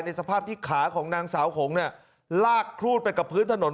สภาพที่ขาของนางสาวหงเนี่ยลากครูดไปกับพื้นถนน